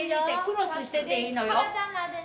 クロスしてていいのよ。